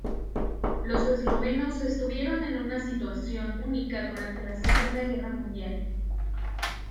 Los eslovenos estuvieron en una situación única durante la Segunda Guerra Mundial.